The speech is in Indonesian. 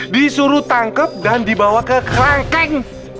disuruh tangkap dan dibawa ke klangkeng